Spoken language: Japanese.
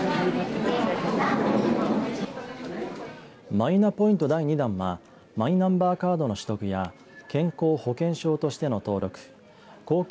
マイナポイント第２弾はマイナンバーカードの取得や健康保険証としての登録公金